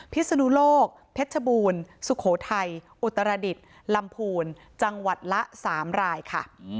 พิศนุโลกเพชรชบูรณ์สุโขทัยอุตรดิษฐ์ลำพูนจังหวัดละ๓รายค่ะ